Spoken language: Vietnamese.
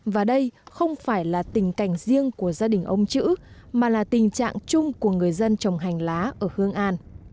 và đây không phải là tình cảnh riêng của gia đình ông chữ mà là tình trạng chung của người dân trồng hành lá ở hương an